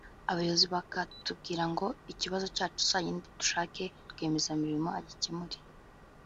abayobozi bakatubwira ngo ikibazo cyacu tuzagende dushake rwiyemezamirimo agikemure